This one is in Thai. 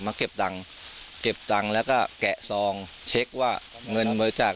เก็บตังค์เก็บตังค์แล้วก็แกะซองเช็คว่าเงินบริจาค